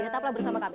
tetaplah bersama kami